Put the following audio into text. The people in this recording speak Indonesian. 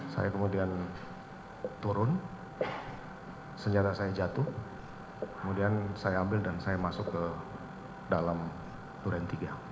saya kemudian turun senjata saya jatuh kemudian saya ambil dan saya masuk ke dalam duren tiga